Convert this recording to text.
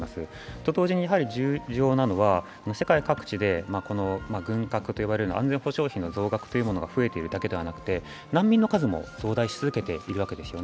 と同時に重要なのは、世界各地で軍拡といわれる安全保障費の増額が増えているだけではなくて難民の数も増大し続けているわけです。